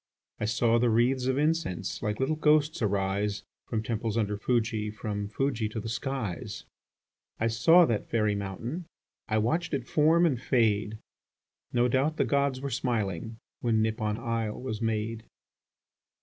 I saw the wreathes of incense Like little ghosts arise, From temples under Fuji, From Fuji to the skies. I saw that fairy mountain. ... I watched it form and fade. No doubt the gods were smiling, When Nippon isle was made.